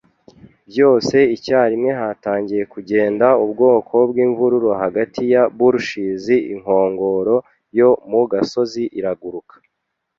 Byose icyarimwe hatangiye kugenda ubwoko bwimvururu hagati ya bulrushes; inkongoro yo mu gasozi iraguruka